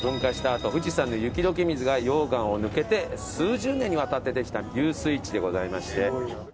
あと富士山の雪解け水が溶岩を抜けて数十年にわたってできた湧水池でございまして。